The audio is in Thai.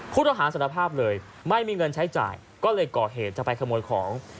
สารภาพเลยไม่มีเงินใช้จ่ายก็เลยก่อเหตุจะไปขโมยของ